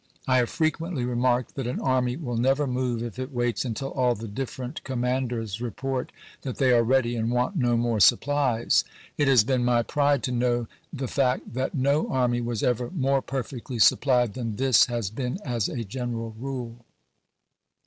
I ^^ have frequently remarked that an army will never move Vf)i.xix., if it waits until all the different commanders report that pp.^492, 493. they are ready and want no more supplies. It has been THE REMOVAL OF McCLELLAN 179 my pride to know the fact that no army was ever more chap. ix. perfectly supplied than this has been as a general rule."